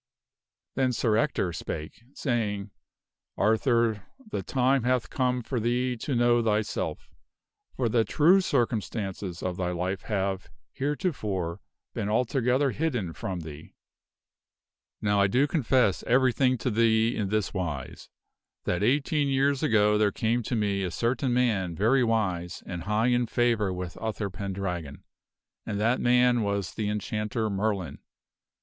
Then Sir Ector spake, saying, " Arthur, the time hath come for thee to know thyself, for the true circumstances of thy life have, heretofore, been altogether hidden from thee. "Now I do confess everything to thee in this wise: that eighteen year ago there came to me a certain man very wise and high in favor with Uther Pendragon and that man was the Enchanter <th Arthur*tk< Merlin.